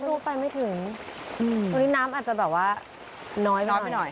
ถุงไปไม่ถึงน้ำอาจจะได้ว่าน้อยปีหน่อย